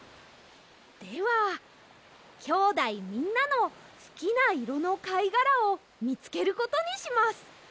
ではきょうだいみんなのすきないろのかいがらをみつけることにします。